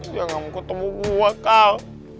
dia gak mau ketemu gue kal